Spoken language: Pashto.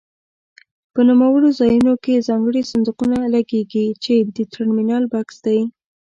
په نوموړو ځایونو کې ځانګړي صندوقونه لګېږي چې د ټرمینل بکس دی.